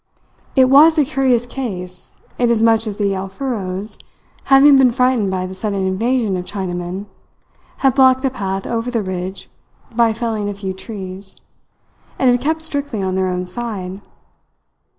It was a curious case, inasmuch as the Alfuros, having been frightened by the sudden invasion of Chinamen, had blocked the path over the ridge by felling a few trees, and had kept strictly on their own side.